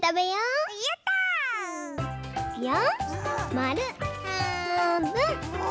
まるはんぶん！